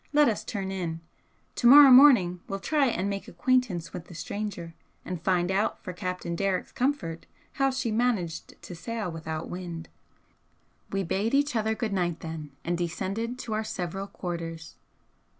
Let us turn in. To morrow morning we'll try and make acquaintance with the stranger, and find out for Captain Derrick's comfort how she managed to sail without wind!" We bade each other good night then, and descended to our several quarters.